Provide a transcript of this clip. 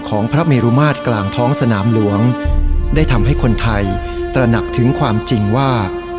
พระเมรุมาตรกลางท้องสนามหลวงได้ทำให้คนไทยตระหนักถึงความจริงว่า